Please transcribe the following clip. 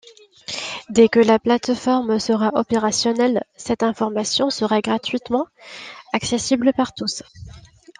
Dès que la plate-forme sera opérationnelle, cette information sera gratuitement accessible par tous.